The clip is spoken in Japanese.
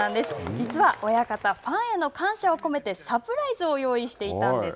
実は親方ファンへの感謝を込めてサプライズを用意していたんです。